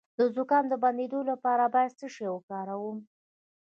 د زکام د بندیدو لپاره باید څه شی وکاروم؟